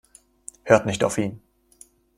Hör nicht auf ihn.